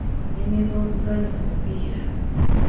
Nnyumirwa okuzannya omupiira.